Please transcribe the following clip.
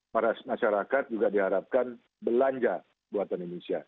para masyarakat juga diharapkan belanja jabatan indonesia